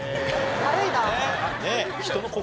軽いな。